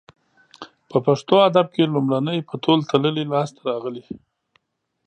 په پښتو ادب کې لومړنۍ په تول تللې لاسته راغلې